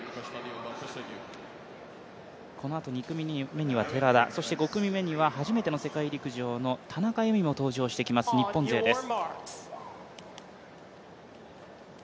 このあと２組目には寺田、５組目には初めての世界陸上の田中佑美も登場してきます日本勢です。